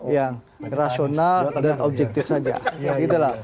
yang rasional dan objektif saja